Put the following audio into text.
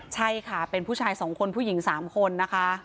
ใช่ค่ะเป็นผู้ชาย๒คนผู้หญิง๓คนนะคะ